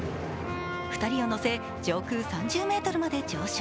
２人を乗せ上空３０ｍまで上昇。